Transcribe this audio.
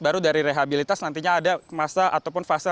baru dari rehabilitas nantinya ada masa ataupun fase